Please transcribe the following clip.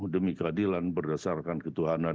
demi keadilan berdasarkan ketuhanan